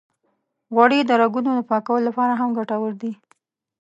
غوړې د رګونو د پاکولو لپاره هم ګټورې دي.